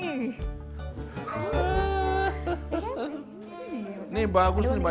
ini bagus nih bajunya